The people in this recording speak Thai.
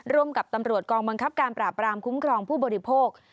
ร่วมกับตำรวจกองบังคับการปราบรามคุ้มครองผู้บริโภค